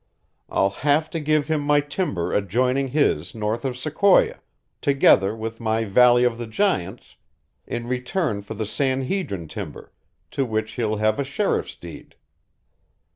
I'll have to give him my timber adjoining his north of Sequoia, together with my Valley of the Giants, in return for the San Hedrin timber, to which he'll have a sheriff's deed.